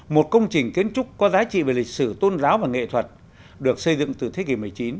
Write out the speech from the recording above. một công trình kiến trúc có giá trị về lịch sử tôn giáo và nghệ thuật được xây dựng từ thế kỷ một mươi chín